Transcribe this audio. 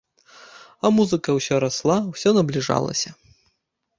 А музыка ўсё расла, усё набліжалася.